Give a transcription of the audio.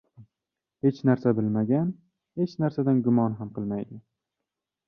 • Hech narsa bilmagan hech narsadan gumon ham qilmaydi.